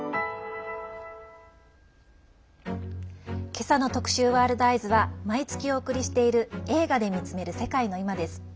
今朝の特集「ワールドＥＹＥＳ」は毎月お送りしている「映画で見つめる世界のいま」。